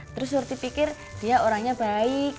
terus seperti pikir dia orangnya baik